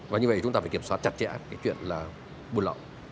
và như vậy chúng ta phải kiểm soát chặt chẽ cái chuyện là buôn lậu